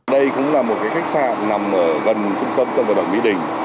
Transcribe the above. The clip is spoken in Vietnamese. đây cũng là một khách sạn nằm gần trung tâm sân vật đồng mỹ đình